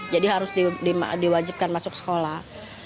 jadi harus diwajibkan masuk sekolah